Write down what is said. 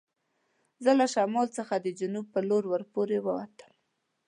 زه له شمال څخه د جنوب په لور ور پورې و وتم.